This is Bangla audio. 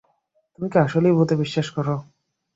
তুমি কি আসলেই ভূতে বিশ্বাস করো?